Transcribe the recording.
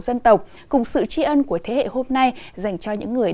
tình yêu cũng từ nơi anh lửa rừng bập bùng vách núi